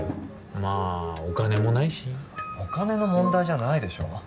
まあお金もないしお金の問題じゃないでしょ